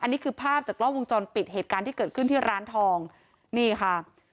อันนี้คือภาพจากกล้องวงจรปิดเหตุการณ์ที่เกิดขึ้นที่ร้านทองนี่ค่ะ